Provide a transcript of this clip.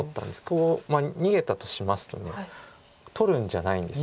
こう逃げたとしますと取るんじゃないんです。